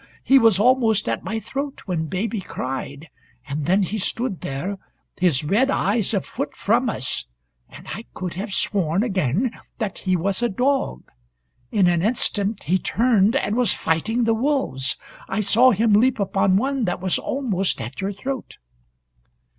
He was almost at my throat when baby cried, and then he stood there, his red eyes a foot from us, and I could have sworn again that he was a dog. In an instant he turned, and was fighting the wolves. I saw him leap upon one that was almost at your throat."